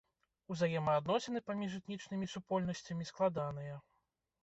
Узаемаадносіны паміж этнічнымі супольнасцямі складаныя.